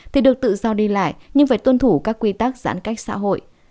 thì được tự do đi lại nhưng phải tuân thủ các quy tắc giãn cách xã hội